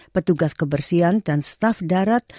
petugas kebersihan dan staf darat